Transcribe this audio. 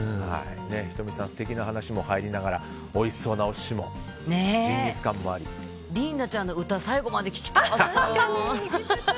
仁美さん、素敵な話もありながらおいしそうなお寿司もリンダちゃんの歌最後まで聴きたかった。